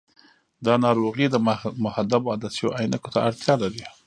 دا ناروغي د محدبو عدسیو عینکو ته اړتیا لري.